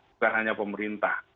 bukan hanya pemerintah